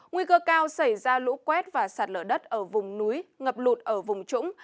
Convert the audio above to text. nguy cơ cao xảy ra lũ quét và sạt lở đất ở vùng núi ngập lụt ở vùng trũng